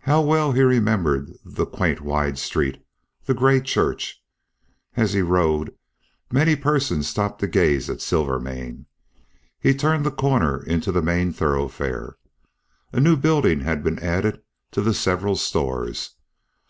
How well he remembered the quaint wide street, the gray church! As he rode many persons stopped to gaze at Silvermane. He turned the corner into the main thoroughfare. A new building had been added to the several stores.